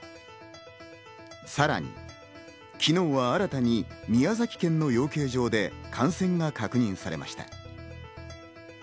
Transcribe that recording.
さらに昨日は新たに宮崎県の養鶏所で感染が確認されました。